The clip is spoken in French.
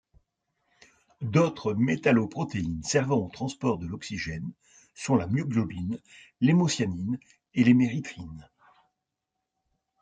D'autres métalloprotéines servant au transport de l'oxygène sont la myoglobine, l'hémocyanine, et l'hémérythrine.